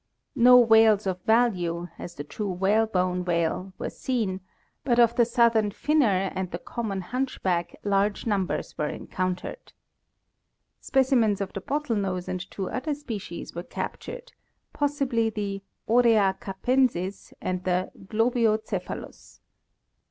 No whales of value, as the true whalebone whale, were seen, but of the southern finner and the common hunchback large numbers were encountered. Specimens of the bottlenose and two other species were captured, possibly the Orea capensis and the Globio cephalus.